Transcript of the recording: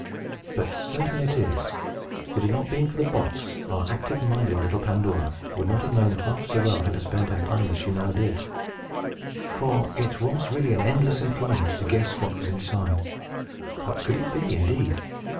But, certain it is, if it had not been for the box, our active minded little Pandora would not have known half so well how to spend her time as she now did. [Illustration: PANDORA DESIRES TO OPEN THE BOX] For it was really an endless employment to guess what was inside. What could it be, indeed?